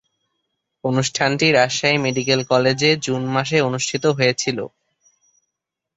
অনুষ্ঠানটি রাজশাহী মেডিকেল কলেজে জুন মাসে অনুষ্ঠিত হয়েছিলো।